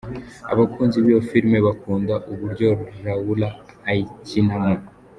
Abakunzi b’iyo filime bakunda uburyo Laura ayikinamo.